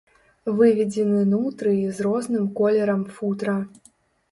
Выведзены нутрыі з розным колерам футра.